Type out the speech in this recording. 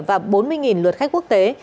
và bốn mươi luật khách quốc tế